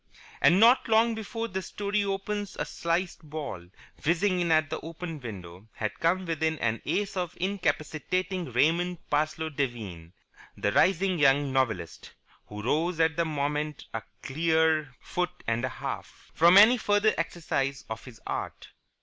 And not long before this story opens a sliced ball, whizzing in at the open window, had come within an ace of incapacitating Raymond Parsloe Devine, the rising young novelist (who rose at that moment a clear foot and a half) from any further exercise of his art.